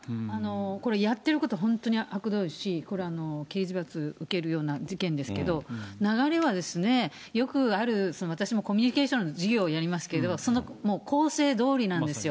これやってること、本当にあくどいし、これは刑事罰受けるような事件ですけど、流れはよくある、私もコミュニケーションの授業をやりますけど、その構成どおりなんですよ。